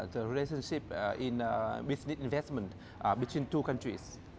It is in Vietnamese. tôi làm tham tán thương mại